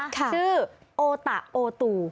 ชื่อโอตะโอตู